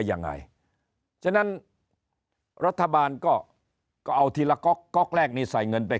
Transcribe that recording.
ยังไงฉะนั้นรัฐบาลก็ก็เอาทีละก๊อกก๊อกแรกนี้ใส่เงินไป